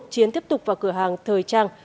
chiến tiếp tục vào cửa hàng thời trang